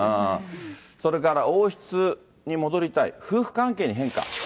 それから王室に戻りたい、夫婦関係に変化。